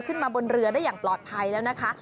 ขึ้นมาบนเรือได้อย่างปลอดภัยแล้วนะคะ